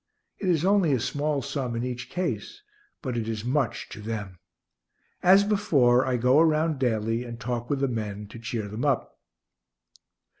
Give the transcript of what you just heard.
It is only a small sum in each case, but it is much to them. As before, I go around daily and talk with the men, to cheer them up.